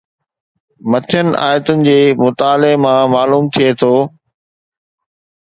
مٿين آيتن جي مطالعي مان معلوم ٿئي ٿو